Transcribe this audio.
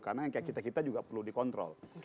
karena yang kayak kita kita juga perlu dikontrol